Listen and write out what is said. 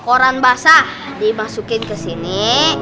koran basah dimasukin ke sini